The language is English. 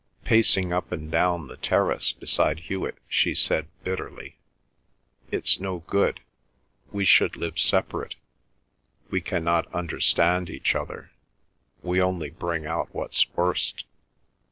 Pacing up and down the terrace beside Hewet she said bitterly: "It's no good; we should live separate; we cannot understand each other; we only bring out what's worst."